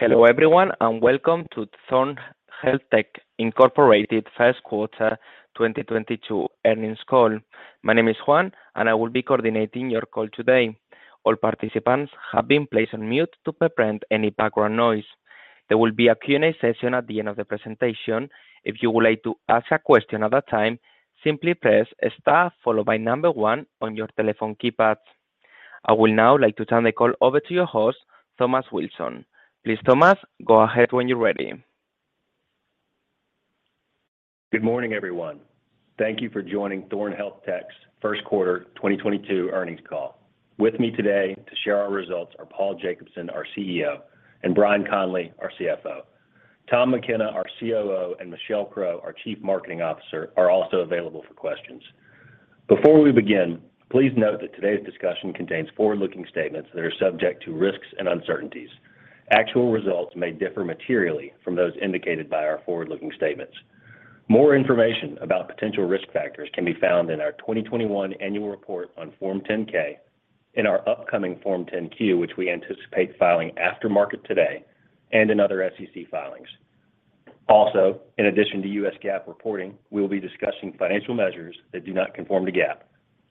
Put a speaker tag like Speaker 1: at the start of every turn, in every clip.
Speaker 1: Hello, everyone, and welcome to Thorne HealthTech, Inc. first quarter 2022 earnings call. My name is Juan and I will be coordinating your call today. All participants have been placed on mute to prevent any background noise. There will be a Q&A session at the end of the presentation. If you would like to ask a question at that time, simply press star followed by one on your telephone keypad. I would now like to turn the call over to your host, Thomas Wilson. Please, Thomas, go ahead when you're ready.
Speaker 2: Good morning, everyone. Thank you for joining Thorne HealthTech's first quarter 2022 earnings call. With me today to share our results are Paul Jacobson, our CEO, and Bryan Conley, our CFO. Tom McKenna, our COO, and Michelle Crow, our Chief Marketing Officer, are also available for questions. Before we begin, please note that today's discussion contains forward-looking statements that are subject to risks and uncertainties. Actual results may differ materially from those indicated by our forward-looking statements. More information about potential risk factors can be found in our 2021 annual report on Form 10-K, in our upcoming Form 10-Q, which we anticipate filing after market today, and in other SEC filings. Also, in addition to U.S. GAAP reporting, we will be discussing financial measures that do not conform to GAAP.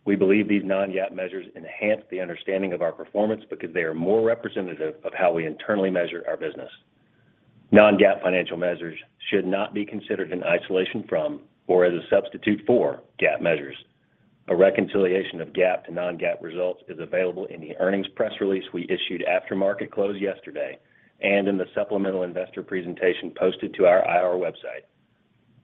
Speaker 2: We believe these non-GAAP measures enhance the understanding of our performance because they are more representative of how we internally measure our business. Non-GAAP financial measures should not be considered in isolation from or as a substitute for GAAP measures. A reconciliation of GAAP to non-GAAP results is available in the earnings press release we issued after market close yesterday and in the supplemental investor presentation posted to our IR website.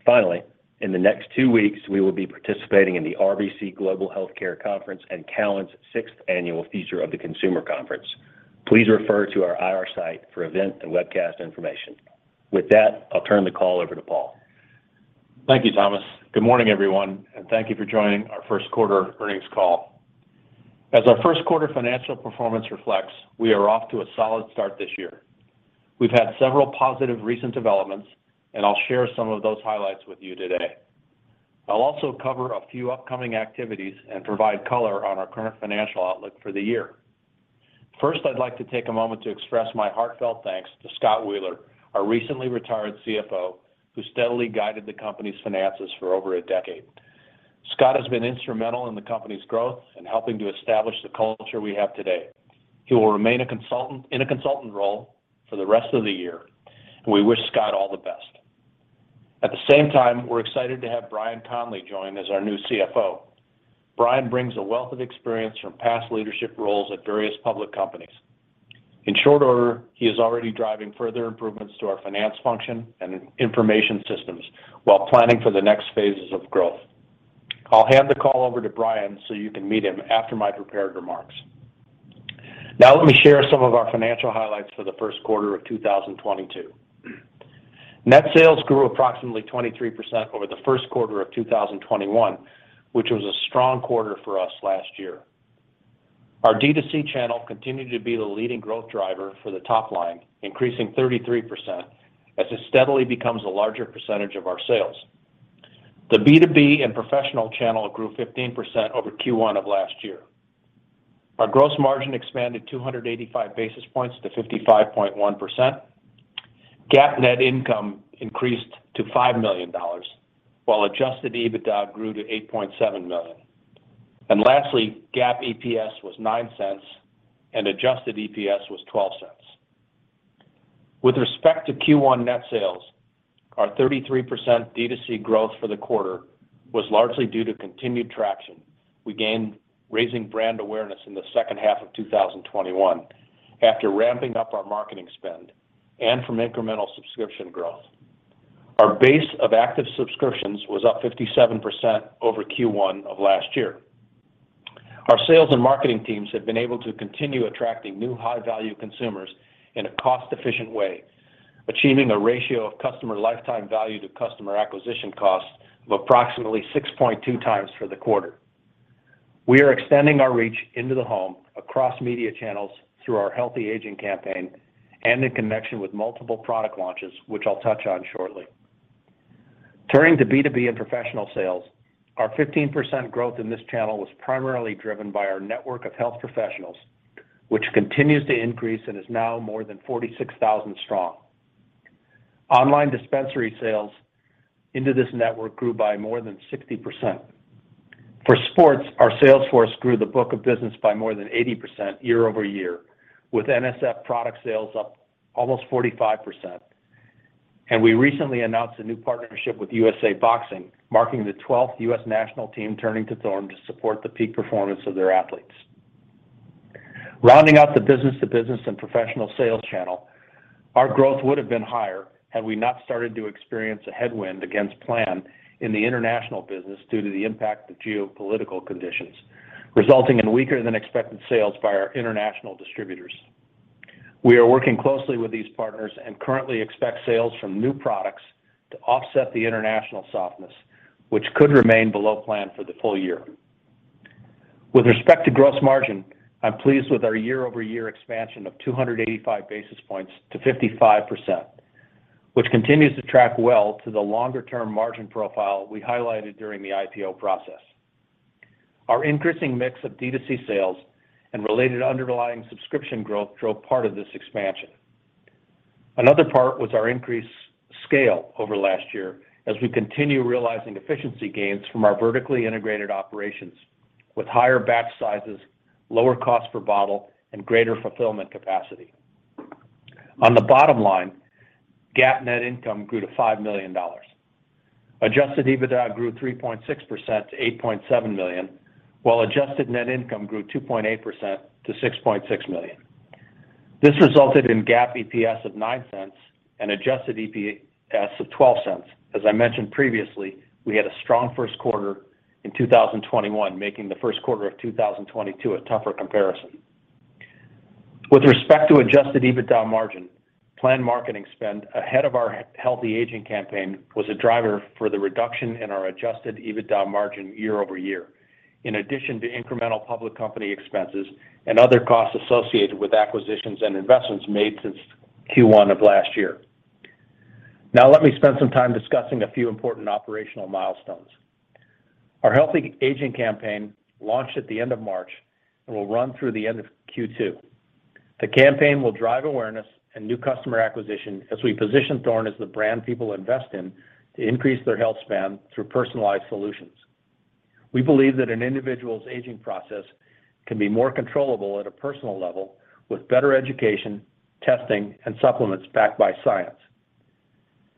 Speaker 2: Finally, in the next two weeks, we will be participating in the RBC Capital Markets Global Healthcare Conference and Cowen's Sixth Annual Future of the Consumer Conference. Please refer to our IR site for event and webcast information. With that, I'll turn the call over to Paul.
Speaker 3: Thank you, Thomas. Good morning, everyone, and thank you for joining our first quarter earnings call. As our first quarter financial performance reflects, we are off to a solid start this year. We've had several positive recent developments, and I'll share some of those highlights with you today. I'll also cover a few upcoming activities and provide color on our current financial outlook for the year. First, I'd like to take a moment to express my heartfelt thanks to Scott Wheeler, our recently retired CFO, who steadily guided the company's finances for over a decade. Scott has been instrumental in the company's growth and helping to establish the culture we have today. He will remain a consultant in a consultant role for the rest of the year. We wish Scott all the best. At the same time, we're excited to have Bryan Conley join as our new CFO. Bryan brings a wealth of experience from past leadership roles at various public companies. In short order, he is already driving further improvements to our finance function and information systems while planning for the next phases of growth. I'll hand the call over to Bryan so you can meet him after my prepared remarks. Now let me share some of our financial highlights for the first quarter of 2022. Net sales grew approximately 23% over the first quarter of 2021, which was a strong quarter for us last year. Our D2C channel continued to be the leading growth driver for the top line, increasing 33% as it steadily becomes a larger percentage of our sales. The B2B and professional channel grew 15% over Q1 of last year. Our gross margin expanded 285 basis points to 55.1%. GAAP net income increased to $5 million, while adjusted EBITDA grew to $8.7 million. Lastly, GAAP EPS was $0.09 and adjusted EPS was $0.12. With respect to Q1 net sales, our 33% D2C growth for the quarter was largely due to continued traction we gained raising brand awareness in the second half of 2021 after ramping up our marketing spend and from incremental subscription growth. Our base of active subscriptions was up 57% over Q1 of last year. Our sales and marketing teams have been able to continue attracting new high-value consumers in a cost-efficient way, achieving a ratio of customer lifetime value to customer acquisition cost of approximately 6.2x for the quarter. We are extending our reach into the home across media channels through our Healthy Aging campaign and in connection with multiple product launches, which I'll touch on shortly. Turning to B2B and professional sales, our 15% growth in this channel was primarily driven by our network of health professionals, which continues to increase and is now more than 46,000 strong. Online dispensary sales into this network grew by more than 60%. For sports, our sales force grew the book of business by more than 80% year-over-year, with NSF product sales up almost 45%. We recently announced a new partnership with USA Boxing, marking the 12th U.S. national team turning to Thorne to support the peak performance of their athletes. Rounding out the business to business and professional sales channel, our growth would have been higher had we not started to experience a headwind against plan in the international business due to the impact of geopolitical conditions, resulting in weaker than expected sales by our international distributors. We are working closely with these partners and currently expect sales from new products to offset the international softness, which could remain below plan for the full year. With respect to gross margin, I'm pleased with our year-over-year expansion of 285 basis points to 55%, which continues to track well to the longer-term margin profile we highlighted during the IPO process. Our increasing mix of D2C sales and related underlying subscription growth drove part of this expansion. Another part was our increased scale over last year as we continue realizing efficiency gains from our vertically integrated operations with higher batch sizes, lower cost per bottle, and greater fulfillment capacity. On the bottom line, GAAP net income grew to $5 million. Adjusted EBITDA grew 3.6% to $8.7 million, while adjusted net income grew 2.8% to $6.6 million. This resulted in GAAP EPS of $0.09 and adjusted EPS of $0.12. As I mentioned previously, we had a strong first quarter in 2021, making the first quarter of 2022 a tougher comparison. With respect to adjusted EBITDA margin, planned marketing spend ahead of our Healthy Aging campaign was a driver for the reduction in our adjusted EBITDA margin year-over-year, in addition to incremental public company expenses and other costs associated with acquisitions and investments made since Q1 of last year. Now let me spend some time discussing a few important operational milestones. Our Healthy Aging campaign launched at the end of March and will run through the end of Q2. The campaign will drive awareness and new customer acquisition as we position Thorne as the brand people invest in to increase their health span through personalized solutions. We believe that an individual's aging process can be more controllable at a personal level with better education, testing, and supplements backed by science.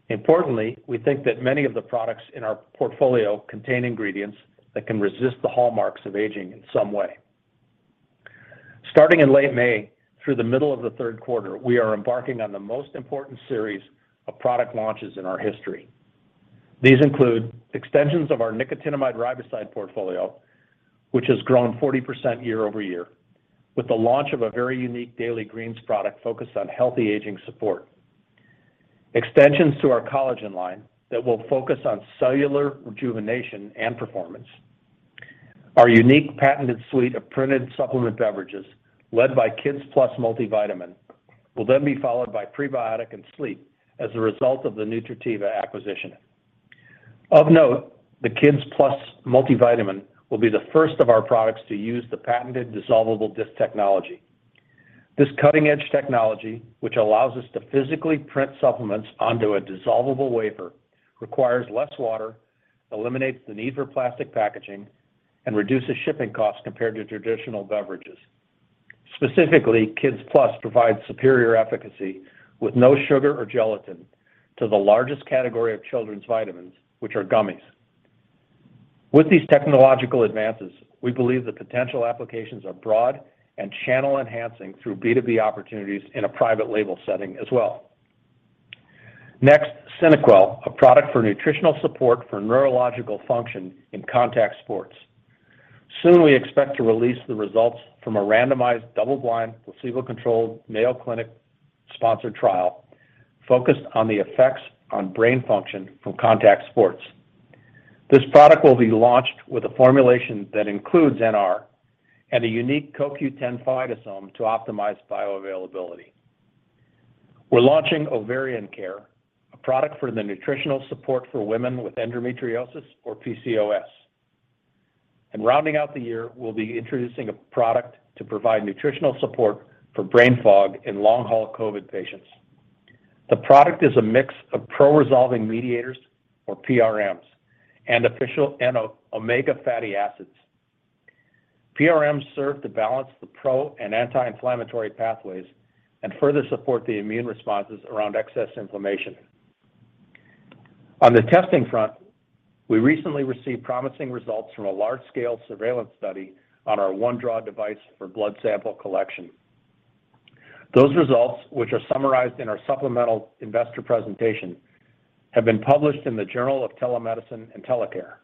Speaker 3: Importantly, we think that many of the products in our portfolio contain ingredients that can resist the hallmarks of aging in some way. Starting in late May through the middle of the third quarter, we are embarking on the most important series of product launches in our history. These include extensions of our nicotinamide riboside portfolio, which has grown 40% year-over-year, with the launch of a very unique daily greens product focused on healthy aging support. Extensions to our collagen line that will focus on cellular rejuvenation and performance. Our unique patented suite of printed supplement beverages led by Kids Multi+ multivitamin will then be followed by prebiotic and sleep as a result of the Nutrativa acquisition. Of note, the Kids Multi+ multivitamin will be the first of our products to use the patented dissolvable disc technology. This cutting-edge technology, which allows us to physically print supplements onto a dissolvable wafer, requires less water, eliminates the need for plastic packaging, and reduces shipping costs compared to traditional beverages. Specifically, Kids Multi+ provides superior efficacy with no sugar or gelatin to the largest category of children's vitamins, which are gummies. With these technological advances, we believe the potential applications are broad and channel-enhancing through B2B opportunities in a private label setting as well. Next, SynaQuell, a product for nutritional support for neurological function in contact sports. Soon, we expect to release the results from a randomized double-blind placebo-controlled Mayo Clinic-sponsored trial focused on the effects on brain function from contact sports. This product will be launched with a formulation that includes NR and a unique CoQ10 phytosome to optimize bioavailability. We're launching Ovarian Care, a product for the nutritional support for women with endometriosis or PCOS. Rounding out the year, we'll be introducing a product to provide nutritional support for brain fog in long-haul COVID-19 patients. The product is a mix of Pro-Resolving Mediators, or PRMs, and essential omega fatty acids. PRMs serve to balance the pro- and anti-inflammatory pathways and further support the immune responses around excess inflammation. On the testing front, we recently received promising results from a large-scale surveillance study on our OneDraw device for blood sample collection. Those results, which are summarized in our supplemental investor presentation, have been published in the Journal of Telemedicine and Telecare.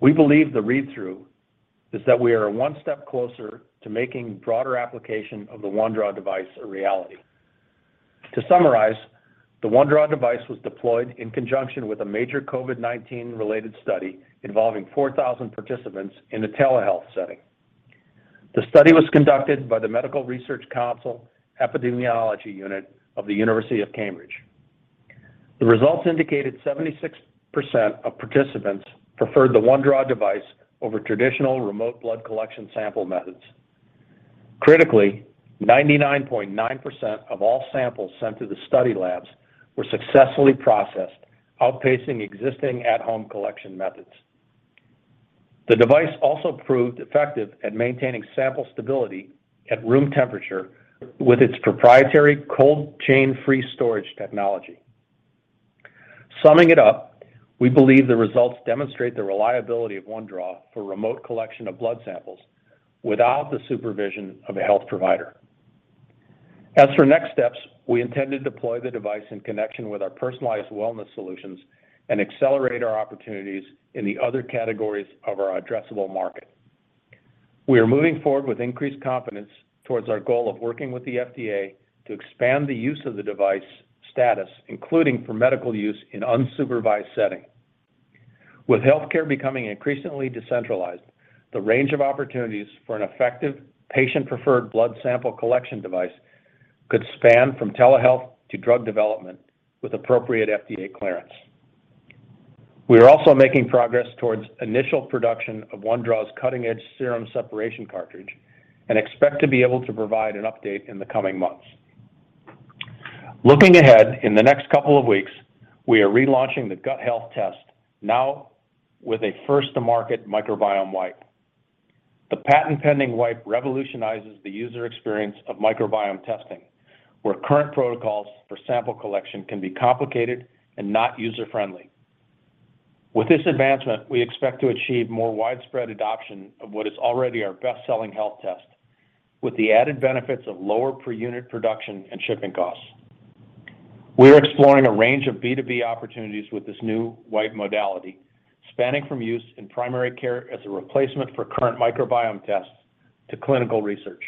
Speaker 3: We believe the read-through is that we are one step closer to making broader application of the OneDraw device a reality. To summarize, the OneDraw device was deployed in conjunction with a major COVID-19-related study involving 4,000 participants in a telehealth setting. The study was conducted by the Medical Research Council Epidemiology Unit of the University of Cambridge. The results indicated 76% of participants preferred the OneDraw device over traditional remote blood collection sample methods. Critically, 99.9% of all samples sent to the study labs were successfully processed, outpacing existing at-home collection methods. The device also proved effective at maintaining sample stability at room temperature with its proprietary cold chain-free storage technology. Summing it up, we believe the results demonstrate the reliability of OneDraw for remote collection of blood samples without the supervision of a health provider. As for next steps, we intend to deploy the device in connection with our personalized wellness solutions and accelerate our opportunities in the other categories of our addressable market. We are moving forward with increased confidence towards our goal of working with the FDA to expand the use of the device status, including for medical use in unsupervised settings. With healthcare becoming increasingly decentralized, the range of opportunities for an effective, patient-preferred blood sample collection device could span from telehealth to drug development with appropriate FDA clearance. We are also making progress towards initial production of OneDraw's cutting-edge serum separation cartridge and expect to be able to provide an update in the coming months. Looking ahead, in the next couple of weeks, we are relaunching the gut health test now with a first-to-market microbiome wipe. The patent-pending wipe revolutionizes the user experience of microbiome testing, where current protocols for sample collection can be complicated and not user-friendly. With this advancement, we expect to achieve more widespread adoption of what is already our best-selling health test with the added benefits of lower per unit production and shipping costs. We're exploring a range of B2B opportunities with this new wipe modality, spanning from use in primary care as a replacement for current microbiome tests to clinical research.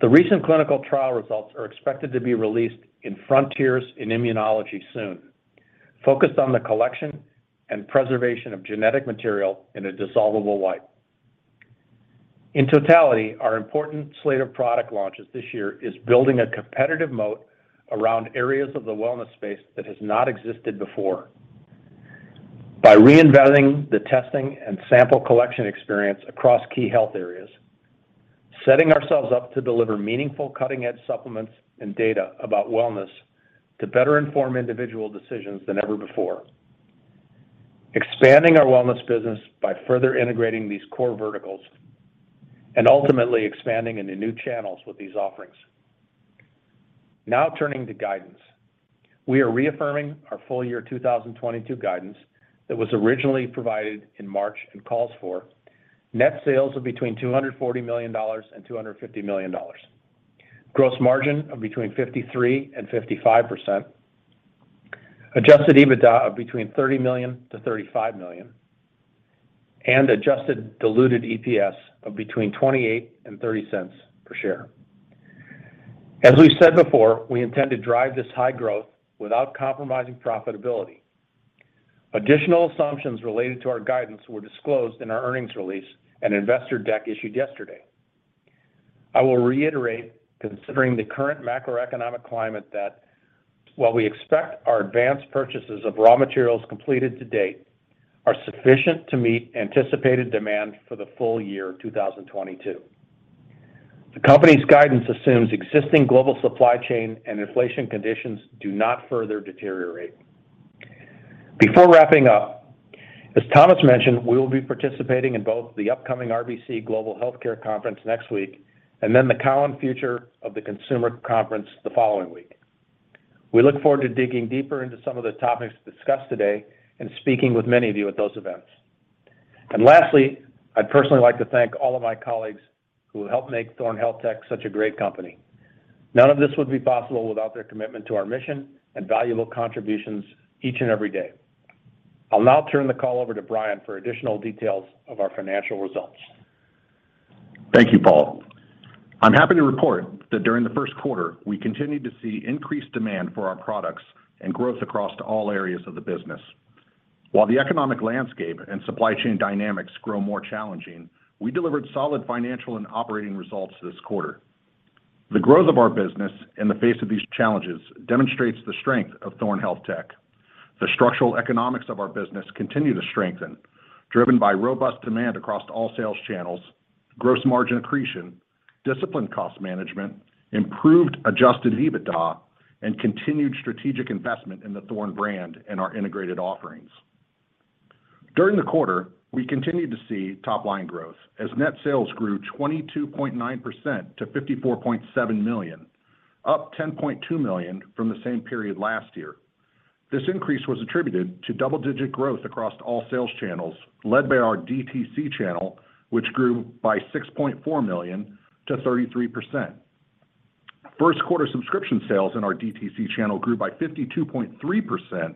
Speaker 3: The recent clinical trial results are expected to be released in Frontiers in Immunology soon, focused on the collection and preservation of genetic material in a dissolvable wipe. In totality, our important slate of product launches this year is building a competitive moat around areas of the wellness space that has not existed before. By reinventing the testing and sample collection experience across key health areas, setting ourselves up to deliver meaningful cutting-edge supplements and data about wellness to better inform individual decisions than ever before. Expanding our wellness business by further integrating these core verticals, and ultimately expanding into new channels with these offerings. Now turning to guidance. We are reaffirming our Full Year 2022 guidance that was originally provided in March and calls for net sales of between $240 million and $250 million. Gross margin of between 53% and 55%. Adjusted EBITDA of between $30 million to $35 million. Adjusted diluted EPS of between $0.28 and $0.30 per share. As we said before, we intend to drive this high growth without compromising profitability. Additional assumptions related to our guidance were disclosed in our earnings release and investor deck issued yesterday. I will reiterate, considering the current macroeconomic climate, that while we expect our advanced purchases of raw materials completed to date are sufficient to meet anticipated demand for the Full Year 2022. The company's guidance assumes existing global supply chain and inflation conditions do not further deteriorate. Before wrapping up, as Thomas mentioned, we will be participating in both the upcoming RBC Global Healthcare Conference next week and then the Cowen Future of the Consumer Conference the following week. We look forward to digging deeper into some of the topics discussed today and speaking with many of you at those events. Lastly, I'd personally like to thank all of my colleagues who help make Thorne HealthTech such a great company. None of this would be possible without their commitment to our mission and valuable contributions each and every day. I'll now turn the call over to Bryan for additional details of our financial results.
Speaker 4: Thank you, Paul. I'm happy to report that during the first quarter, we continued to see increased demand for our products and growth across all areas of the business. While the economic landscape and supply chain dynamics grow more challenging, we delivered solid financial and operating results this quarter. The growth of our business in the face of these challenges demonstrates the strength of Thorne HealthTech. The structural economics of our business continue to strengthen, driven by robust demand across all sales channels, gross margin accretion, disciplined cost management, improved adjusted EBITDA, and continued strategic investment in the Thorne brand and our integrated offerings. During the quarter, we continued to see top-line growth as net sales grew 22.9% to $54.7 million, up $10.2 million from the same period last year. This increase was attributed to double-digit growth across all sales channels led by our DTC channel, which grew by $6.4 million to 33%. First quarter subscription sales in our DTC channel grew by 52.3%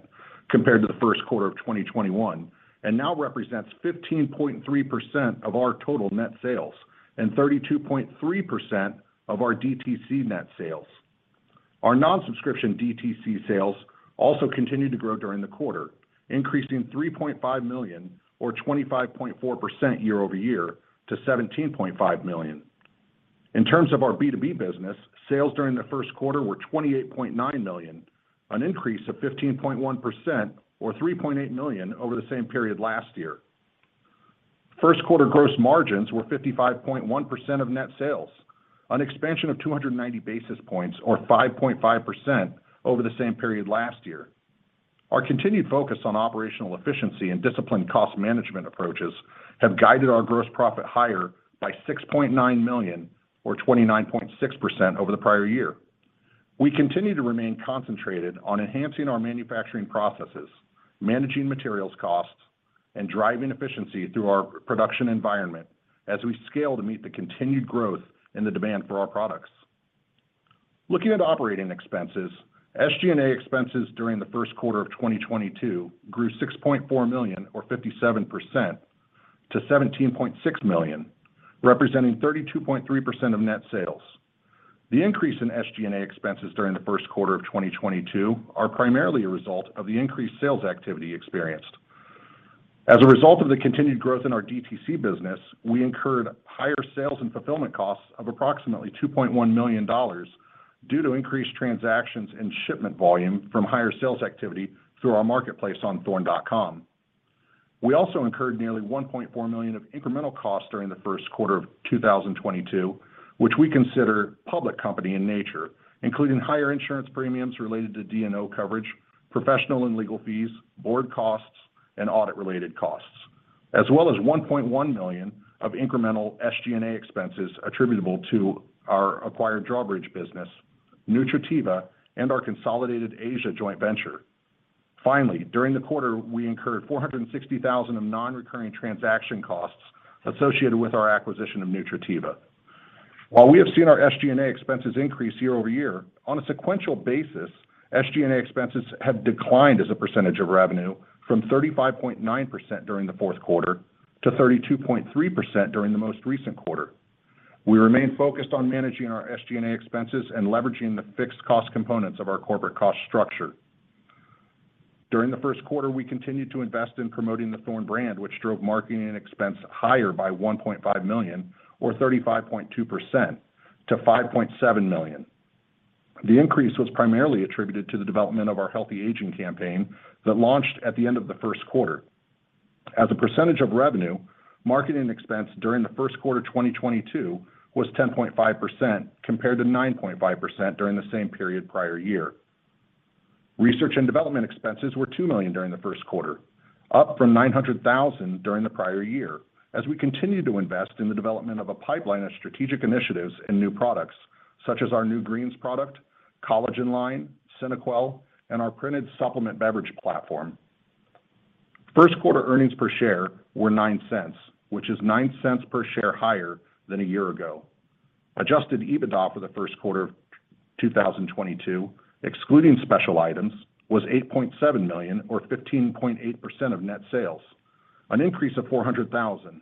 Speaker 4: compared to the first quarter of 2021, and now represents 15.3% of our total net sales and 32.3% of our DTC net sales. Our non-subscription DTC sales also continued to grow during the quarter, increasing $3.5 million or 25.4% year-over-year to $17.5 million. In terms of our B2B business, sales during the first quarter were $28.9 million, an increase of 15.1% or $3.8 million over the same period last year. First quarter gross margins were 55.1% of net sales, an expansion of 290 basis points or 5.5% over the same period last year. Our continued focus on operational efficiency and disciplined cost management approaches have guided our gross profit higher by $6.9 million or 29.6% over the prior year. We continue to remain concentrated on enhancing our manufacturing processes, managing materials costs, and driving efficiency through our production environment as we scale to meet the continued growth in the demand for our products. Looking at operating expenses, SG&A expenses during the first quarter of 2022 grew $6.4 million or 57% to $17.6 million, representing 32.3% of net sales. The increase in SG&A expenses during the first quarter of 2022 is primarily a result of the increased sales activity experienced. As a result of the continued growth in our DTC business, we incurred higher sales and fulfillment costs of approximately $2.1 million due to increased transactions and shipment volume from higher sales activity through our marketplace on thorne.com. We also incurred nearly $1.4 million of incremental costs during the first quarter of 2022, which we consider public company in nature, including higher insurance premiums related to D&O coverage, professional and legal fees, board costs, and audit-related costs, as well as $1.1 million of incremental SG&A expenses attributable to our acquired Drawbridge business, Nutrativa, and our consolidated Asia joint venture. Finally, during the quarter, we incurred $460,000 of non-recurring transaction costs associated with our acquisition of Nutrativa. While we have seen our SG&A expenses increase year-over-year, on a sequential basis, SG&A expenses have declined as a percentage of revenue from 35.9% during the fourth quarter to 32.3% during the most recent quarter. We remain focused on managing our SG&A expenses and leveraging the fixed cost components of our corporate cost structure. During the first quarter, we continued to invest in promoting the Thorne brand, which drove marketing expense higher by $1.5 million or 35.2% to $5.7 million. The increase was primarily attributed to the development of our Healthy Aging campaign that launched at the end of the first quarter. As a percentage of revenue, marketing expense during the first quarter 2022 was 10.5% compared to 9.5% during the same period prior year. Research and development expenses were $2 million during the first quarter, up from $900 thousand during the prior year as we continued to invest in the development of a pipeline of strategic initiatives and new products, such as our new greens product, collagen line, SynaQuell, and our printed supplement beverage platform. First quarter earnings per share were $0.09, which is $0.09 per share higher than a year ago. Adjusted EBITDA for the first quarter of 2022, excluding special items, was $8.7 million or 15.8% of net sales, an increase of $400 thousand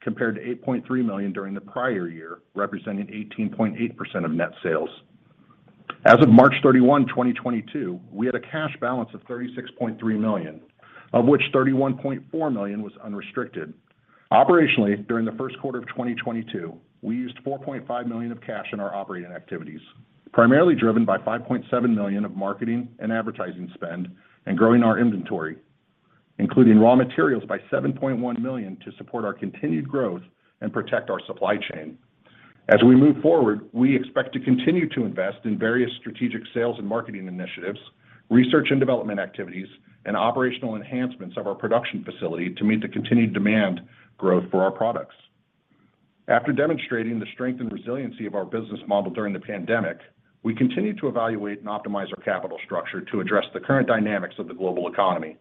Speaker 4: compared to $8.3 million during the prior year, representing 18.8% of net sales. As of March 31, 2022, we had a cash balance of $36.3 million, of which $31.4 million was unrestricted. Operationally, during the first quarter of 2022, we used $4.5 million of cash in our operating activities, primarily driven by $5.7 million of marketing and advertising spend and growing our inventory, including raw materials by $7.1 million to support our continued growth and protect our supply chain. As we move forward, we expect to continue to invest in various strategic sales and marketing initiatives, research and development activities, and operational enhancements of our production facility to meet the continued demand growth for our products. After demonstrating the strength and resiliency of our business model during the pandemic, we continue to evaluate and optimize our capital structure to address the current dynamics of the global economy.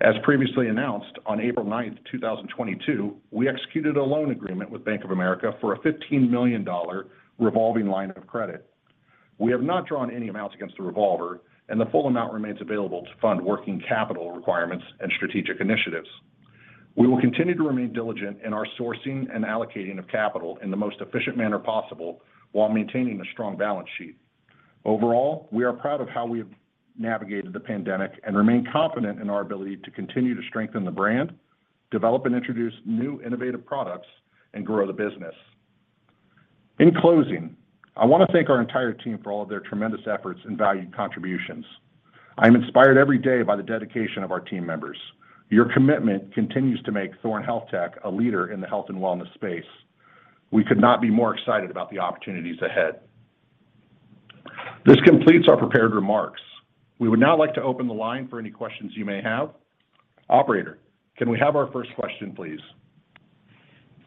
Speaker 4: As previously announced on April 9, 2022, we executed a loan agreement with Bank of America for a $15 million revolving line of credit. We have not drawn any amounts against the revolver, and the full amount remains available to fund working capital requirements and strategic initiatives. We will continue to remain diligent in our sourcing and allocating of capital in the most efficient manner possible while maintaining a strong balance sheet. Overall, we are proud of how we have navigated the pandemic and remain confident in our ability to continue to strengthen the brand, develop and introduce new innovative products, and grow the business. In closing, I want to thank our entire team for all of their tremendous efforts and valued contributions. I am inspired every day by the dedication of our team members. Your commitment continues to make Thorne HealthTech a leader in the health and wellness space. We could not be more excited about the opportunities ahead. This completes our prepared remarks. We would now like to open the line for any questions you may have. Operator, can we have our first question, please?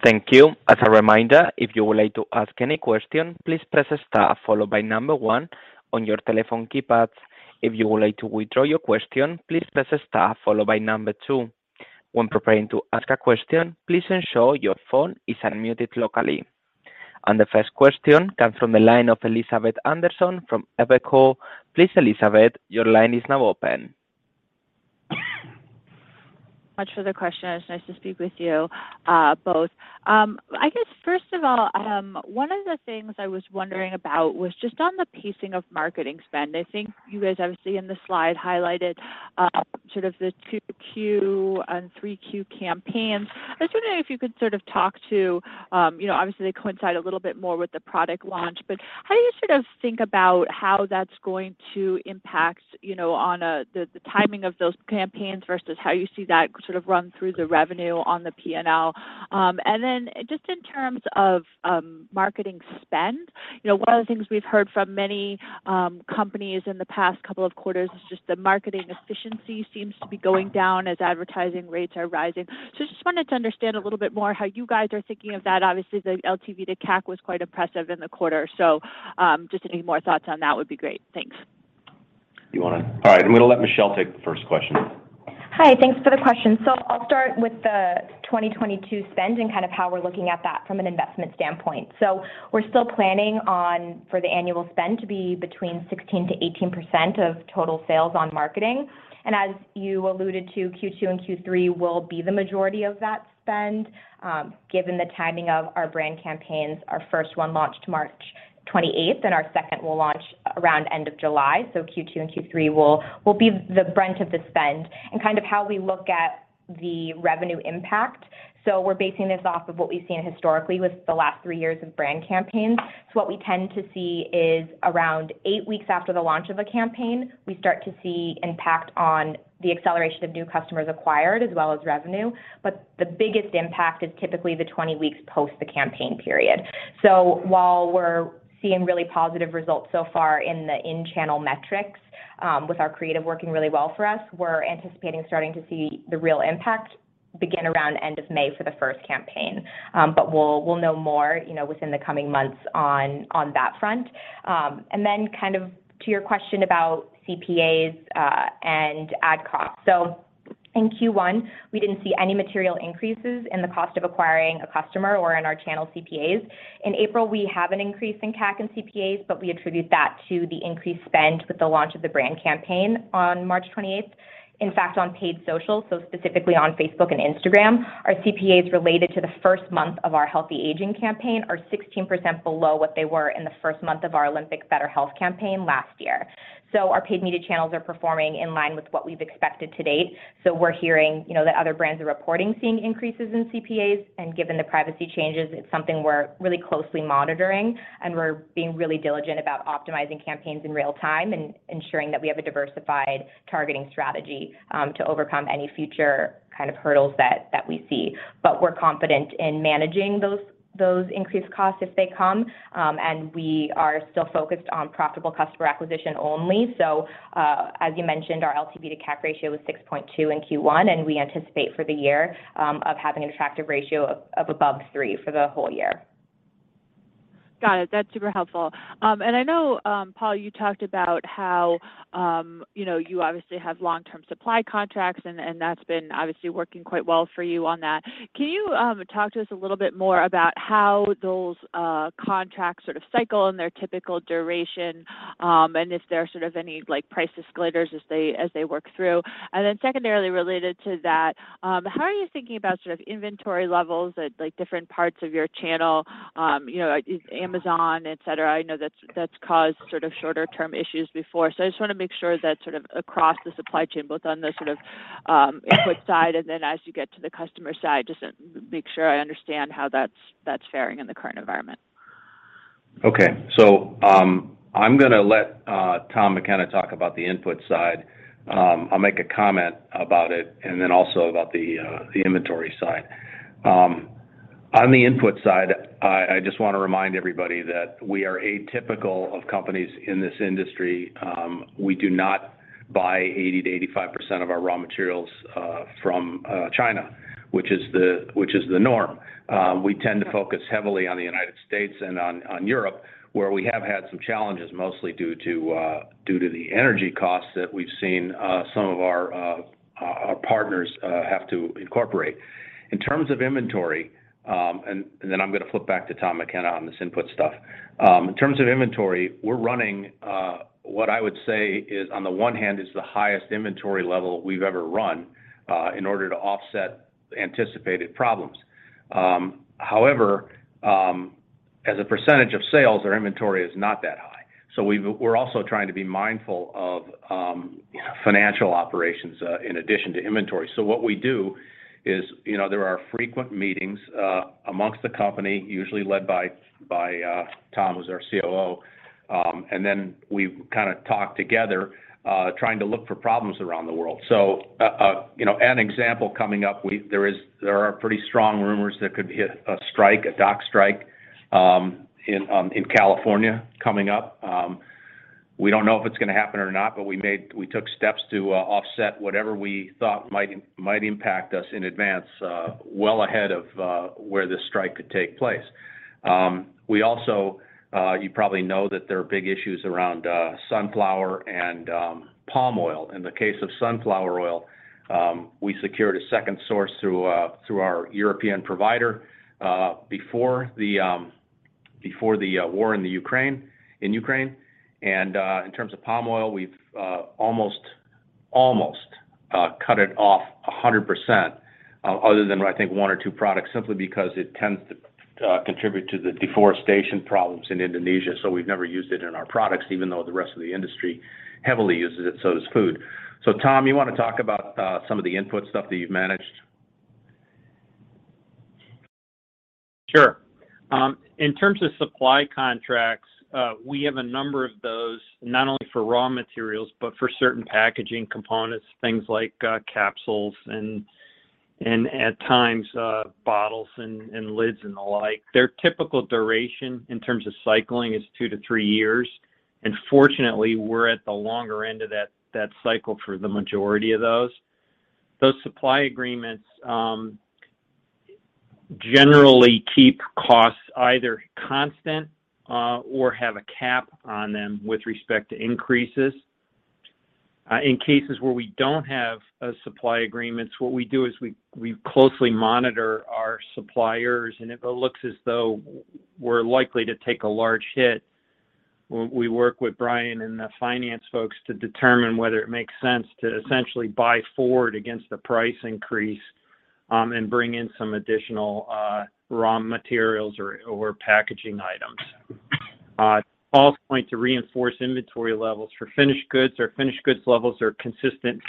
Speaker 1: Thank you. As a reminder, if you would like to ask any question, please press star followed by number one on your telephone keypads. If you would like to withdraw your question, please press star followed by number two. When preparing to ask a question, please ensure your phone is unmuted locally. The first question comes from the line of Elizabeth Anderson from Evercore. Please, Elizabeth, your line is now open.
Speaker 5: Thanks for the question. It's nice to speak with you both. I guess, first of all, one of the things I was wondering about was just on the pacing of marketing spend. I think you guys obviously in the slide highlighted sort of the 2Q and 3Q campaigns. I was wondering if you could sort of talk to you know, obviously, they coincide a little bit more with the product launch. How do you sort of think about how that's going to impact you know, on the timing of those campaigns versus how you see that sort of run through the revenue on the P&L? Just in terms of marketing spend, you know, one of the things we've heard from many companies in the past couple of quarters is just the marketing efficiency seems to be going down as advertising rates are rising. I just wanted to understand a little bit more how you guys are thinking of that. Obviously, the LTV to CAC was quite impressive in the quarter. Just any more thoughts on that would be great. Thanks.
Speaker 4: You wanna? All right. I'm gonna let Michelle take the first question.
Speaker 6: Hi. Thanks for the question. I'll start with the 2022 spend and kind of how we're looking at that from an investment standpoint. We're still planning on for the annual spend to be between 16%-18% of total sales on marketing. As you alluded to, Q2 and Q3 will be the majority of that spend. Given the timing of our brand campaigns, our first one launched March 28th, and our second will launch around end of July. Q2 and Q3 will be the brunt of the spend and kind of how we look at the revenue impact. We're basing this off of what we've seen historically with the last three years of brand campaigns. What we tend to see is around eight weeks after the launch of a campaign, we start to see impact on the acceleration of new customers acquired as well as revenue. The biggest impact is typically the 20 weeks post the campaign period. While we're seeing really positive results so far in the in-channel metrics, with our creative working really well for us, we're anticipating starting to see the real impact begin around end of May for the first campaign. We'll know more, you know, within the coming months on that front. Then kind of to your question about CPAs and ad costs. In Q1, we didn't see any material increases in the cost of acquiring a customer or in our channel CPAs. In April, we have an increase in CAC and CPAs, but we attribute that to the increased spend with the launch of the brand campaign on March 28. In fact, on paid social, so specifically on Facebook and Instagram, our CPAs related to the first month of our Healthy Aging campaign are 16% below what they were in the first month of our Olympic Better Health campaign last year. Our paid media channels are performing in line with what we've expected to date. We're hearing, you know, that other brands are reporting seeing increases in CPAs, and given the privacy changes, it's something we're really closely monitoring. We're being really diligent about optimizing campaigns in real time and ensuring that we have a diversified targeting strategy to overcome any future kind of hurdles that we see. We're confident in managing those increased costs if they come, and we are still focused on profitable customer acquisition only. As you mentioned, our LTV to CAC ratio was 6.2 in Q1, and we anticipate for the year of having an attractive ratio of above three for the whole year.
Speaker 5: Got it. That's super helpful. I know, Paul, you talked about how, you know, you obviously have long-term supply contracts and that's been obviously working quite well for you on that. Can you talk to us a little bit more about how those contracts sort of cycle and their typical duration, and if there are sort of any, like, price escalators as they work through? Secondarily related to that, how are you thinking about sort of inventory levels at, like, different parts of your channel, you know, like Amazon, et cetera? I know that's caused sort of shorter term issues before. I just wanna make sure that sort of across the supply chain, both on the sort of input side and then as you get to the customer side, just to make sure I understand how that's faring in the current environment.
Speaker 3: Okay. I'm gonna let Tom McKenna talk about the input side. I'll make a comment about it and then about the inventory side. On the input side, I just wanna remind everybody that we are atypical of companies in this industry. We do not buy 80%-85% of our raw materials from China, which is the norm. We tend to focus heavily on the United States and on Europe, where we have had some challenges, mostly due to the energy costs that we've seen some of our partners have to incorporate. In terms of inventory, and then I'm gonna flip back to Tom McKenna on this input stuff. In terms of inventory, we're running what I would say is, on the one hand, is the highest inventory level we've ever run in order to offset anticipated problems. However, as a percentage of sales, our inventory is not that high. We're also trying to be mindful of financial operations in addition to inventory. What we do is, you know, there are frequent meetings amongst the company, usually led by Tom, who's our COO, and then we kinda talk together trying to look for problems around the world. You know, an example coming up, there are pretty strong rumors there could be a strike, a dock strike, in California coming up. We don't know if it's gonna happen or not, but we took steps to offset whatever we thought might impact us in advance, well ahead of where this strike could take place. We also, you probably know that there are big issues around sunflower and palm oil. In the case of sunflower oil, we secured a second source through our European provider before the war in Ukraine. In terms of palm oil, we've almost cut it off 100%, other than I think one or two products, simply because it tends to contribute to the deforestation problems in Indonesia. We've never used it in our products, even though the rest of the industry heavily uses it. So does food. Tom, you wanna talk about some of the input stuff that you've managed?
Speaker 7: Sure. In terms of supply contracts, we have a number of those, not only for raw materials, but for certain packaging components, things like capsules and at times bottles and lids and the like. Their typical duration in terms of cycling is two to three years, and fortunately, we're at the longer end of that cycle for the majority of those. Those supply agreements generally keep costs either constant or have a cap on them with respect to increases. In cases where we don't have supply agreements, what we do is we closely monitor our suppliers, and if it looks as though we're likely to take a large hit, we work with Bryan and the finance folks to determine whether it makes sense to essentially buy forward against the price increase. Bring in some additional raw materials or packaging items. Paul's point to reinforce inventory levels for finished goods. Our finished goods levels are consistent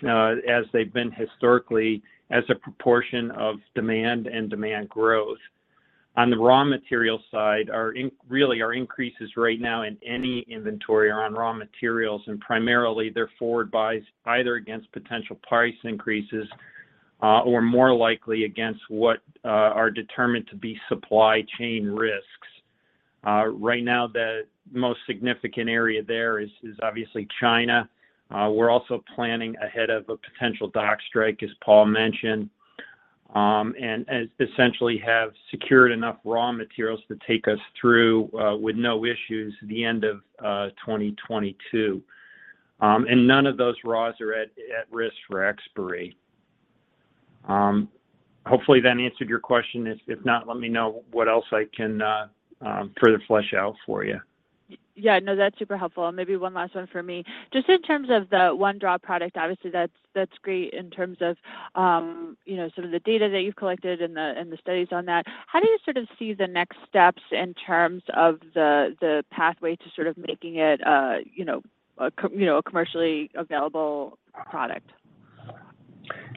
Speaker 7: as they've been historically as a proportion of demand and demand growth. On the raw material side, really, our increases right now in any inventory are on raw materials, and primarily they're forward buys either against potential price increases or more likely against what are determined to be supply chain risks. Right now the most significant area there is obviously China. We're also planning ahead of a potential dock strike, as Paul mentioned, and essentially have secured enough raw materials to take us through with no issues the end of 2022. None of those raws are at risk for expiry. Hopefully that answered your question. If not, let me know what else I can further flesh out for you.
Speaker 5: Yeah, no, that's super helpful. Maybe one last one from me. Just in terms of the OneDraw product, obviously that's great in terms of some of the data that you've collected and the studies on that. How do you sort of see the next steps in terms of the pathway to sort of making it a commercially available product?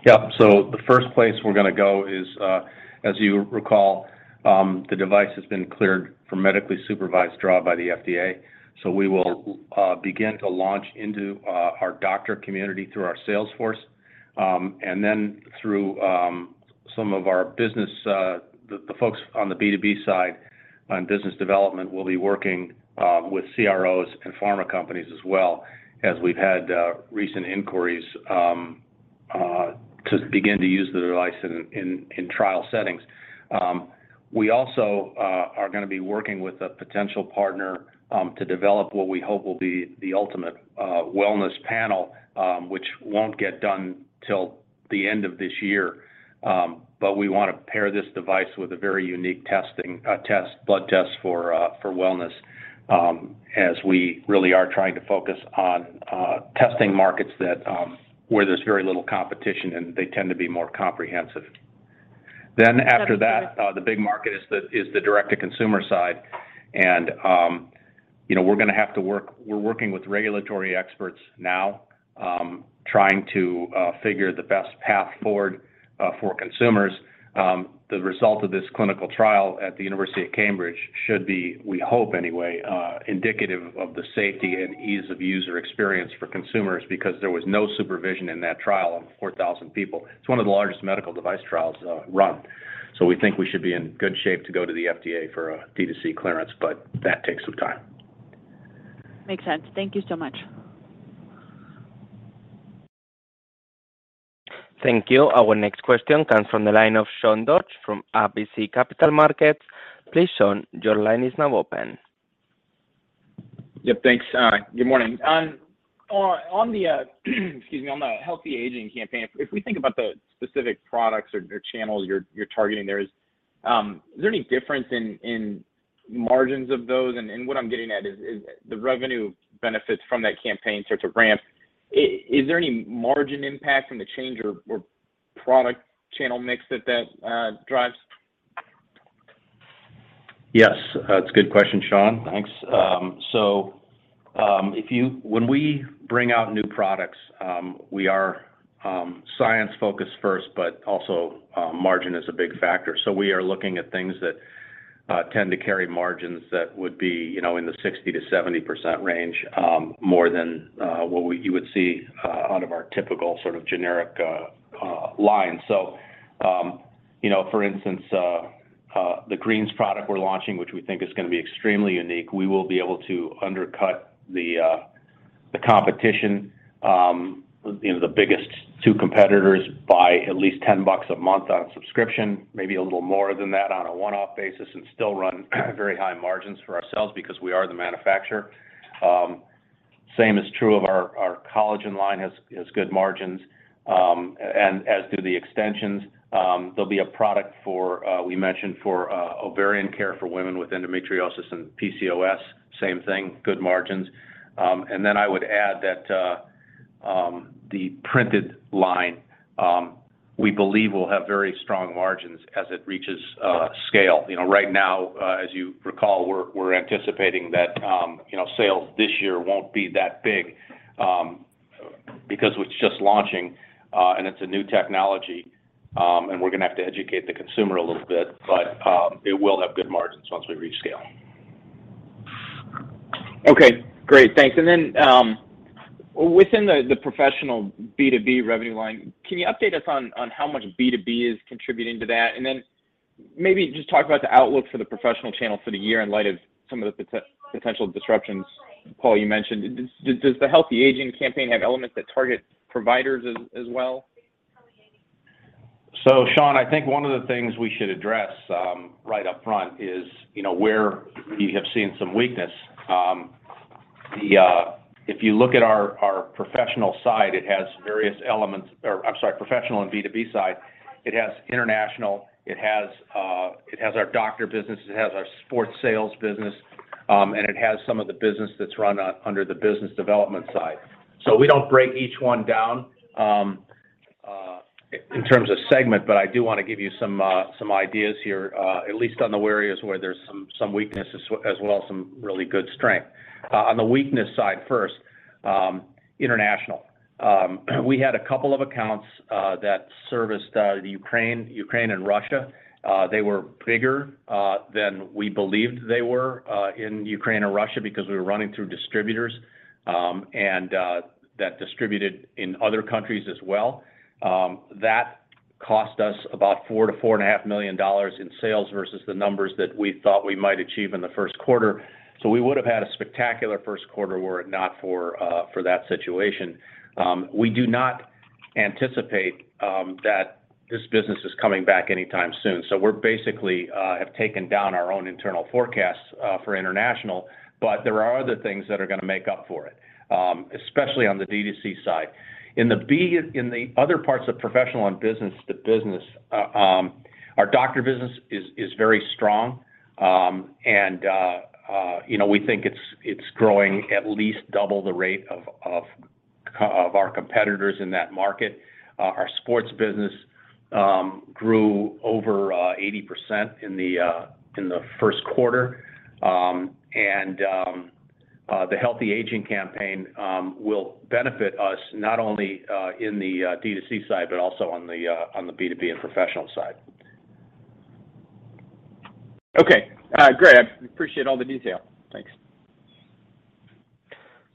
Speaker 3: Yeah. The first place we're gonna go is, as you recall, the device has been cleared for medically supervised draw by the FDA. We will begin to launch into our doctor community through our sales force. Through some of our business, the folks on the B2B side on business development will be working with CROs and pharma companies as well, as we've had recent inquiries to begin to use the device in trial settings. We also are gonna be working with a potential partner to develop what we hope will be the ultimate wellness panel, which won't get done till the end of this year. We want to pair this device with a very unique blood test for wellness as we really are trying to focus on testing markets that where there's very little competition, and they tend to be more comprehensive. After that, the big market is the direct-to-consumer side. You know, we're working with regulatory experts now trying to figure the best path forward for consumers. The result of this clinical trial at the University of Cambridge should be, we hope anyway, indicative of the safety and ease of user experience for consumers because there was no supervision in that trial of 4,000 people. It's one of the largest medical device trials run. We think we should be in good shape to go to the FDA for a D2C clearance, but that takes some time.
Speaker 5: Makes sense. Thank you so much.
Speaker 1: Thank you. Our next question comes from the line of Sean Dodge from RBC Capital Markets. Please, Sean, your line is now open.
Speaker 8: Yep, thanks. Good morning. On the Healthy Aging campaign, if we think about the specific products or channels you're targeting, is there any difference in margins of those? What I'm getting at is the revenue benefits from that campaign starts to ramp. Is there any margin impact from the change or product channel mix that drives?
Speaker 3: Yes. It's a good question, Sean. Thanks. When we bring out new products, we are science-focused first, but also margin is a big factor. We are looking at things that tend to carry margins that would be, you know, in the 60%-70% range, more than what you would see out of our typical sort of generic line. You know, for instance, the greens product we're launching, which we think is gonna be extremely unique, we will be able to undercut the competition, you know, the biggest two competitors by at least $10 a month on a subscription, maybe a little more than that on a one-off basis and still run very high margins for ourselves because we are the manufacturer. Same is true of our collagen line has good margins, and as do the extensions. There'll be a product we mentioned for Ovarian Care for women with endometriosis and PCOS, same thing, good margins. Then I would add that the printed line we believe will have very strong margins as it reaches scale. You know, right now, as you recall, we're anticipating that, you know, sales this year won't be that big, because it's just launching, and it's a new technology, and we're gonna have to educate the consumer a little bit. It will have good margins once we reach scale.
Speaker 8: Okay, great. Thanks. Within the professional B2B revenue line, can you update us on how much B2B is contributing to that? Maybe just talk about the outlook for the professional channel for the year in light of some of the potential disruptions, Paul, you mentioned. Does the Healthy Aging campaign have elements that target providers as well?
Speaker 3: Sean, I think one of the things we should address, right up front is, you know, where we have seen some weakness. If you look at our professional side, it has various elements, or I'm sorry, professional and B2B side, it has international, it has our doctor business, it has our sports sales business, and it has some of the business that's run under the business development side. We don't break each one down in terms of segment, but I do wanna give you some ideas here, at least on the areas where there's some weaknesses, as well, some really good strength. On the weakness side first, international. We had a couple of accounts that serviced the Ukraine and Russia. They were bigger than we believed they were in Ukraine or Russia because we were running through distributors, and that distributed in other countries as well. That cost us about $4-$4.5 million in sales versus the numbers that we thought we might achieve in the first quarter. We would have had a spectacular first quarter were it not for that situation. We do not anticipate that this business is coming back anytime soon, so we're basically have taken down our own internal forecasts for international. There are other things that are gonna make up for it, especially on the D2C side. In the other parts of professional and business to business, our doctor business is very strong. You know, we think it's growing at least double the rate of our competitors in that market. Our sports business grew over 80% in the first quarter. The Healthy Aging campaign will benefit us not only in the D2C side, but also on the B2B and professional side.
Speaker 8: Okay. Great. I appreciate all the detail. Thanks.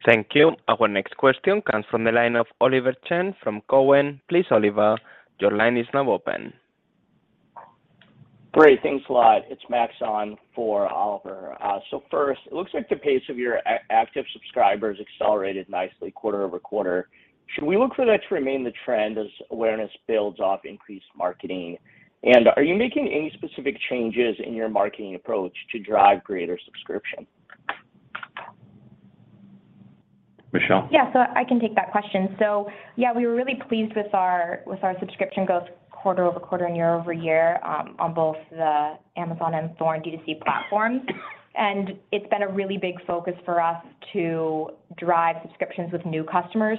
Speaker 1: Thank you. Our next question comes from the line of Oliver Chen from Cowen. Please, Oliver, your line is now open.
Speaker 9: Great. Thanks a lot. It's Max on for Oliver. First, it looks like the pace of your active subscribers accelerated nicely quarter-over-quarter. Should we look for that to remain the trend as awareness builds off increased marketing? Are you making any specific changes in your marketing approach to drive greater subscription?
Speaker 3: Michelle.
Speaker 6: Yeah. I can take that question. Yeah, we were really pleased with our subscription growth quarter-over-quarter and year-over-year on both the Amazon and Thorne D2C platforms. It's been a really big focus for us to drive subscriptions with new customers.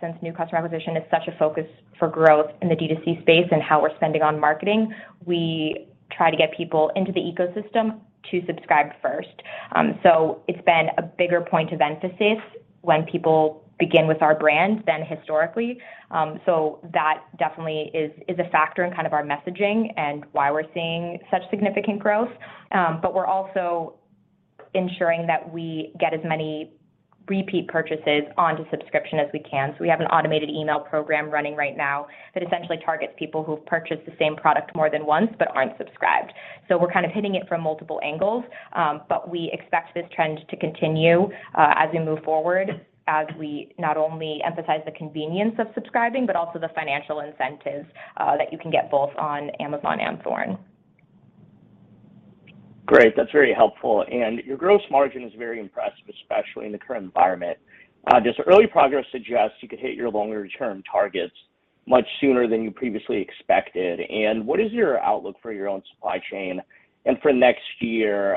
Speaker 6: Since new customer acquisition is such a focus for growth in the D2C space and how we're spending on marketing, we try to get people into the ecosystem to subscribe first. It's been a bigger point of emphasis when people begin with our brand than historically. That definitely is a factor in kind of our messaging and why we're seeing such significant growth. But we're also ensuring that we get as many repeat purchases onto subscription as we can. We have an automated email program running right now that essentially targets people who've purchased the same product more than once but aren't subscribed. We're kind of hitting it from multiple angles, but we expect this trend to continue, as we move forward, as we not only emphasize the convenience of subscribing, but also the financial incentives, that you can get both on Amazon and Thorne.
Speaker 10: Great. That's very helpful. Your gross margin is very impressive, especially in the current environment. Does early progress suggest you could hit your longer-term targets much sooner than you previously expected? What is your outlook for your own supply chain and for next year,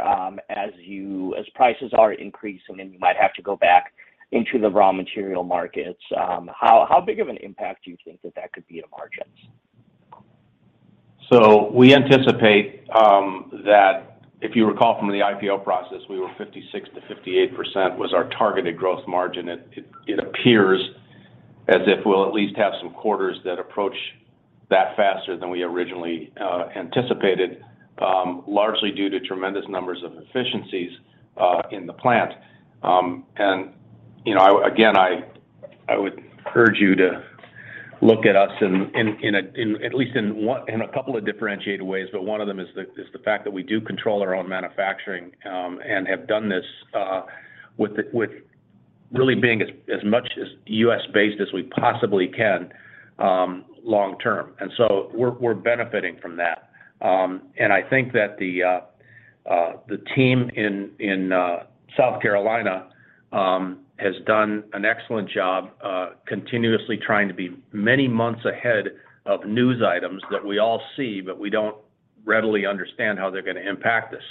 Speaker 10: as prices are increasing, and you might have to go back into the raw material markets, how big of an impact do you think that could be to margins?
Speaker 3: We anticipate that if you recall from the IPO process, we were 56%-58% was our targeted growth margin. It appears as if we'll at least have some quarters that approach that faster than we originally anticipated, largely due to tremendous numbers of efficiencies in the plant. You know, again, I would urge you to look at us in a couple of differentiated ways, but one of them is the fact that we do control our own manufacturing and have done this with really being as much as U.S.-based as we possibly can, long term. We're benefiting from that. I think that the team in South Carolina has done an excellent job continuously trying to be many months ahead of news items that we all see, but we don't readily understand how they're gonna impact us.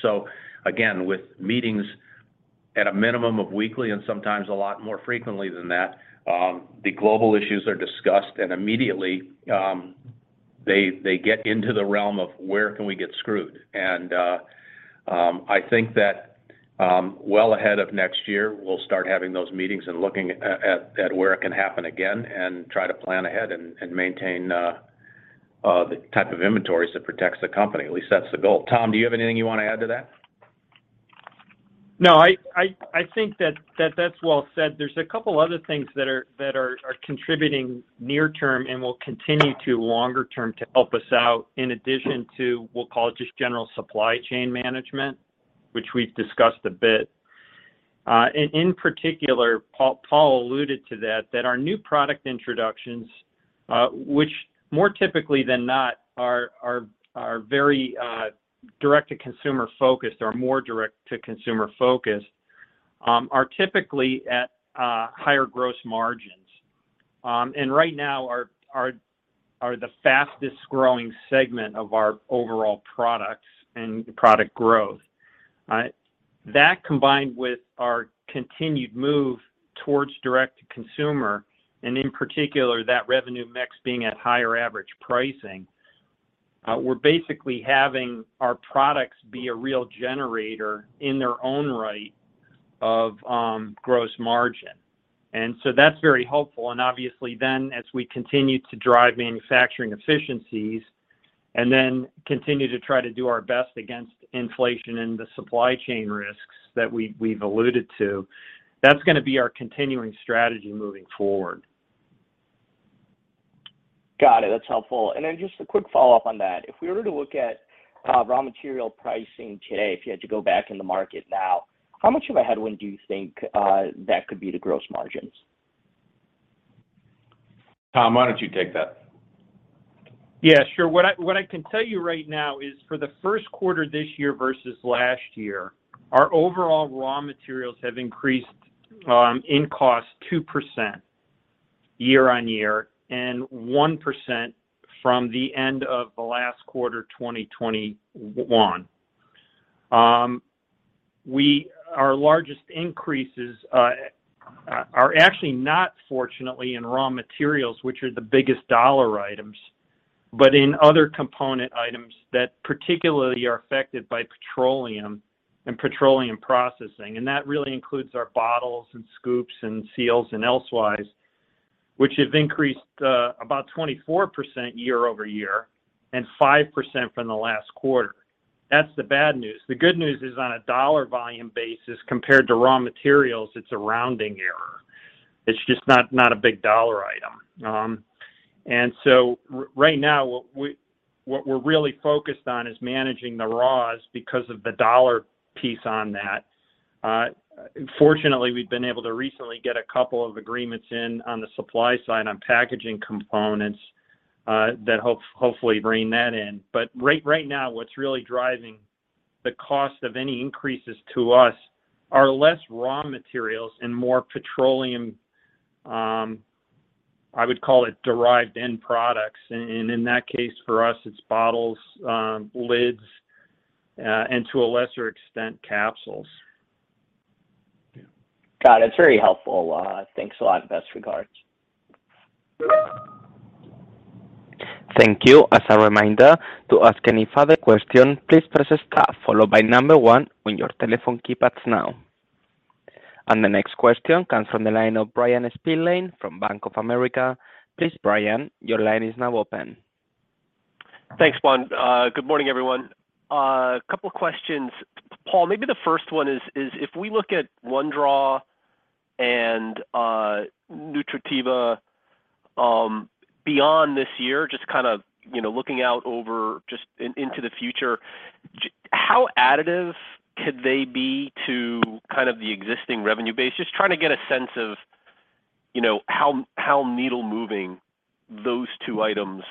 Speaker 3: With meetings at a minimum of weekly and sometimes a lot more frequently than that, the global issues are discussed, and immediately they get into the realm of where can we get screwed. I think that well ahead of next year, we'll start having those meetings and looking at where it can happen again and try to plan ahead and maintain the type of inventories that protects the company. At least that's the goal. Tom, do you have anything you wanna add to that?
Speaker 7: No, I think that that's well said. There's a couple other things that are contributing near term and will continue to longer term to help us out in addition to, we'll call it just general supply chain management, which we've discussed a bit. In particular, Paul alluded to that our new product introductions, which more typically than not are very direct to consumer focused or more direct to consumer focused. Are typically at higher gross margins. Right now are the fastest-growing segment of our overall products and product growth. That combined with our continued move towards direct-to-consumer, and in particular that revenue mix being at higher average pricing, we're basically having our products be a real generator in their own right of gross margin. That's very helpful, and obviously then as we continue to drive manufacturing efficiencies and then continue to try to do our best against inflation and the supply chain risks that we've alluded to, that's gonna be our continuing strategy moving forward.
Speaker 10: Got it. That's helpful. Just a quick follow-up on that. If we were to look at raw material pricing today, if you had to go back in the market now, how much of a headwind do you think that could be to gross margins?
Speaker 3: Tom, why don't you take that?
Speaker 7: Yeah, sure. What I can tell you right now is for the first quarter this year versus last year, our overall raw materials have increased in cost 2% year-on-year, and 1% from the end of the last quarter, 2021. Our largest increases are actually not fortunately in raw materials, which are the biggest dollar items, but in other component items that particularly are affected by petroleum and petroleum processing. That really includes our bottles and scoops and seals and elsewise, which have increased about 24% year-over-year and 5% from the last quarter. That's the bad news. The good news is on a dollar volume basis compared to raw materials, it's a rounding error. It's just not a big dollar item. Right now what we're really focused on is managing the raws because of the dollar piece on that. Fortunately, we've been able to recently get a couple of agreements in on the supply side on packaging components that hopefully bring that in. Right now, what's really driving the cost of any increases to us are less raw materials and more petroleum derived end products. In that case for us it's bottles, lids, and to a lesser extent, capsules.
Speaker 3: Yeah.
Speaker 10: Got it. It's very helpful. Thanks a lot. Best regards.
Speaker 1: Thank you. As a reminder, to ask any further question, please press star followed by number one on your telephone keypads now. The next question comes from the line of Bryan Spillane from Bank of America. Please Bryan, your line is now open.
Speaker 11: Thanks, Juan. Good morning, everyone. Couple questions. Paul, maybe the first one is, if we look at OneDraw and Nutrativa, beyond this year, just kind of, you know, looking out over into the future, how additive could they be to kind of the existing revenue base? Just trying to get a sense of, you know, how needle moving those two items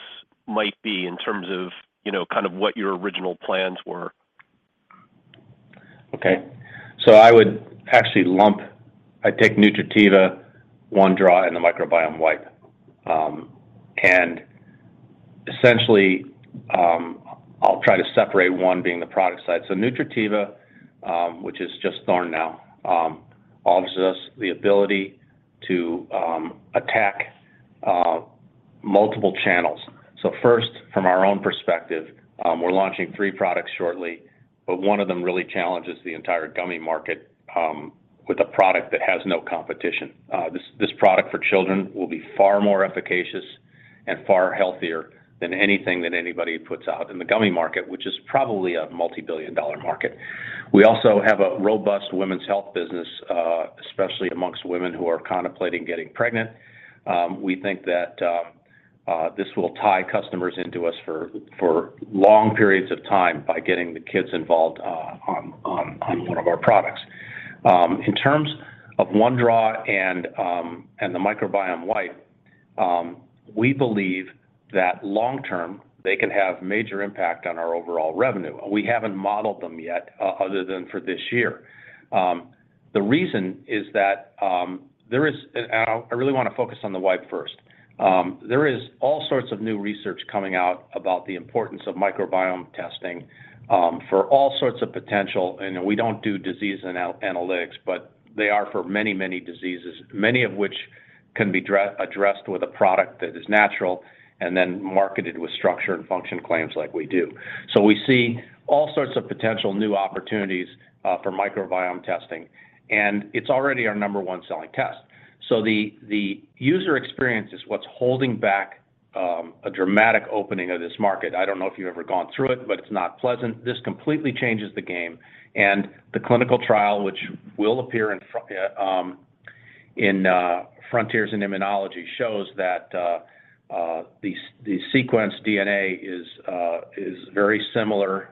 Speaker 11: might be in terms of, you know, kind of what your original plans were.
Speaker 3: I would actually take Nutrativa, OneDraw, and the microbiome wipe. Essentially, I'll try to separate, one being the product side. Nutrativa, which is just starting now, offers us the ability to attack multiple channels. First, from our own perspective, we're launching three products shortly, but one of them really challenges the entire gummy market with a product that has no competition. This product for children will be far more efficacious and far healthier than anything that anybody puts out in the gummy market, which is probably a multi-billion-dollar market. We also have a robust women's health business, especially among women who are contemplating getting pregnant. We think that this will tie customers into us for long periods of time by getting the kids involved on one of our products. In terms of OneDraw and the microbiome wipe, we believe that long term, they can have major impact on our overall revenue. We haven't modeled them yet other than for this year. The reason is that I really wanna focus on the wipe first. There is all sorts of new research coming out about the importance of microbiome testing for all sorts of potential. We don't do disease analytics, but they are for many diseases, many of which can be addressed with a product that is natural and then marketed with structure and function claims like we do. We see all sorts of potential new opportunities for microbiome testing, and it's already our number one selling test. The user experience is what's holding back a dramatic opening of this market. I don't know if you've ever gone through it, but it's not pleasant. This completely changes the game and the clinical trial, which will appear in Frontiers in Immunology, shows that the sequenced DNA is very similar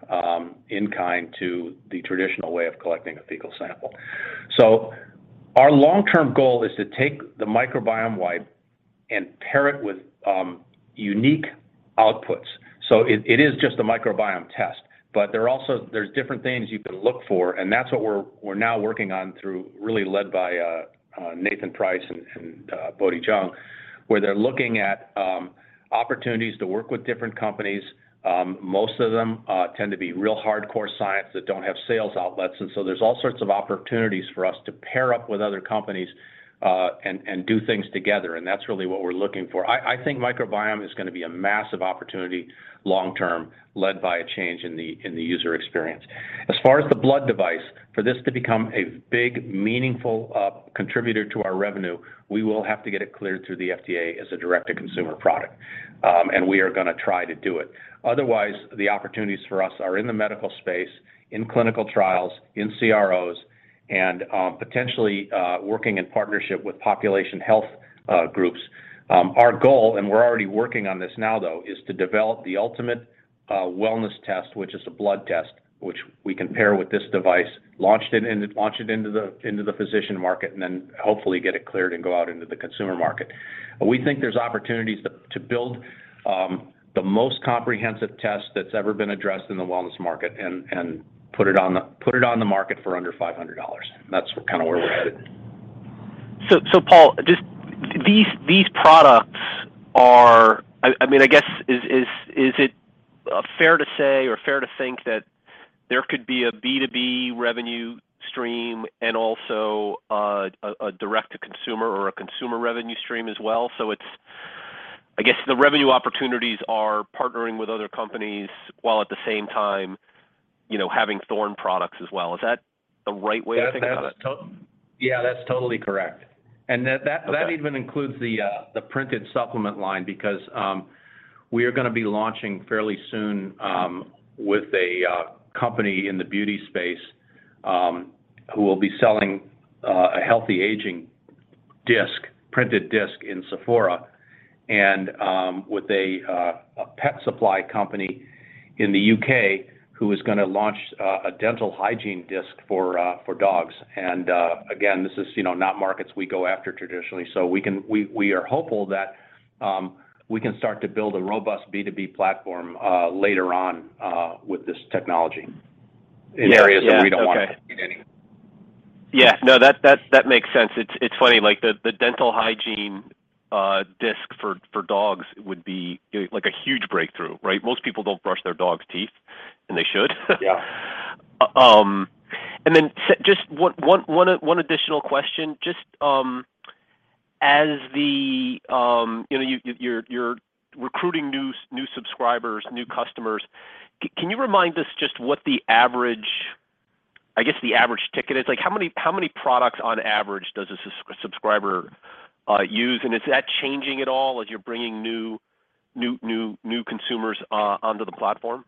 Speaker 3: in kind to the traditional way of collecting a fecal sample. Our long-term goal is to take the microbiome wipe and pair it with unique outputs. It is just a microbiome test, but there are also different things you can look for, and that's what we're now working on through really led by Nathan Price and Bodhi Chung, where they're looking at opportunities to work with different companies. Most of them tend to be real hardcore science that don't have sales outlets. There's all sorts of opportunities for us to pair up with other companies and do things together, and that's really what we're looking for. I think microbiome is gonna be a massive opportunity long term led by a change in the user experience. As far as the blood device, for this to become a big, meaningful contributor to our revenue, we will have to get it cleared through the FDA as a direct-to-consumer product. We are gonna try to do it. Otherwise, the opportunities for us are in the medical space, in clinical trials, in CROs, and potentially working in partnership with population health groups. Our goal, we're already working on this now though, is to develop the ultimate wellness test, which is a blood test, which we can pair with this device, launch it into the physician market, and then hopefully get it cleared and go out into the consumer market. We think there's opportunities to build the most comprehensive test that's ever been addressed in the wellness market and put it on the market for under $500. That's kind of where we're headed.
Speaker 11: Paul, just these products are I mean, I guess is it fair to say or fair to think that there could be a B2B revenue stream and also a direct-to-consumer or a consumer revenue stream as well? It's I guess the revenue opportunities are partnering with other companies while at the same time, you know, having Thorne products as well. Is that the right way of thinking about it?
Speaker 3: Yeah, that's totally correct. That
Speaker 11: Okay.
Speaker 3: That even includes the printed supplement line because we are gonna be launching fairly soon with a company in the beauty space who will be selling a Healthy Aging disc, printed disc in Sephora and with a pet supply company in the U.K. who is gonna launch a dental hygiene disc for dogs. Again, this is, you know, not markets we go after traditionally. We are hopeful that we can start to build a robust B2B platform later on with this technology in areas that we don't want to anyway.
Speaker 11: Yeah. No, that makes sense. It's funny, like the dental hygiene disc for dogs would be like a huge breakthrough, right? Most people don't brush their dog's teeth, and they should.
Speaker 3: Yeah.
Speaker 11: Just one additional question. Just, as the, you know, you're recruiting new subscribers, new customers. Can you remind us just what the average, I guess, the average ticket is? Like how many products on average does a subscriber use, and is that changing at all as you're bringing new consumers onto the platform?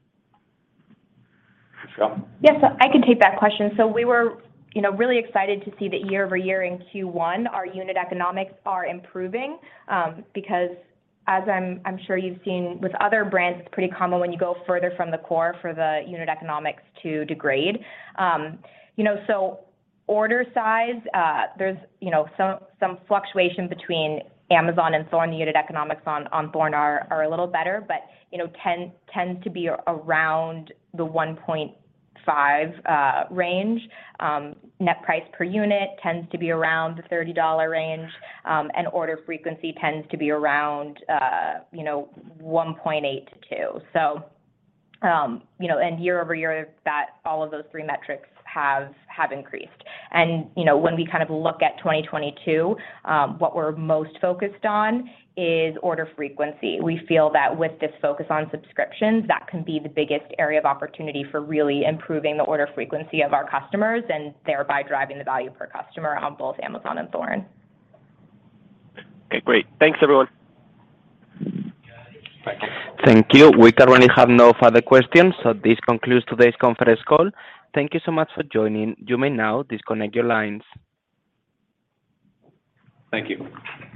Speaker 3: Michelle?
Speaker 6: Yes, I can take that question. We were, you know, really excited to see that year-over-year in Q1, our unit economics are improving, because as I'm sure you've seen with other brands, it's pretty common when you go further from the core for the unit economics to degrade. You know, order size, there's, you know, some fluctuation between Amazon and Thorne. The unit economics on Thorne are a little better, but, you know, tend to be around the 1.5 range. Net price per unit tends to be around the $30 range, and order frequency tends to be around, you know, 1.8-2. Year-over-year, all of those three metrics have increased. You know, when we kind of look at 2022, what we're most focused on is order frequency. We feel that with this focus on subscriptions, that can be the biggest area of opportunity for really improving the order frequency of our customers and thereby driving the value per customer on both Amazon and Thorne.
Speaker 11: Okay, great. Thanks, everyone.
Speaker 3: Thank you.
Speaker 1: Thank you. We currently have no further questions, so this concludes today's conference call. Thank you so much for joining. You may now disconnect your lines.
Speaker 3: Thank you.